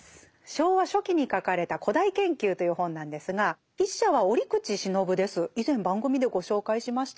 昭和初期に書かれた「古代研究」という本なんですが筆者は折口信夫です。